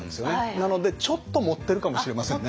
なのでちょっと盛ってるかもしれませんね。